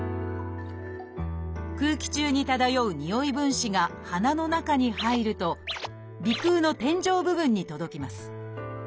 空気中に漂うにおい分子が鼻の中に入ると鼻腔の天井部分に届きます。